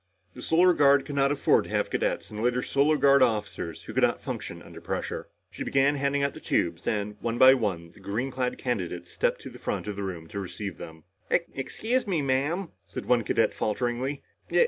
The Solar Guard could not afford to have cadets and later Solar Guard officers who could not function under pressure. She began handing out the tubes and, one by one, the green clad candidates stepped to the front of the room to receive them. "Excuse me, Ma'am," said one cadet falteringly.